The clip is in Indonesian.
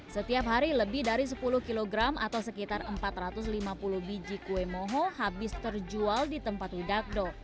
setiap hari lebih dari sepuluh kg atau sekitar empat ratus lima puluh biji kue moho habis terjual di tempat widagdo